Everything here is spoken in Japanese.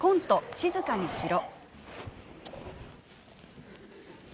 静かにしろ。